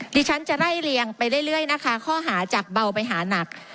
ดิฉันจะไล่เรียงไปเรื่อยนะคะข้อหาจากเบาไปหานัก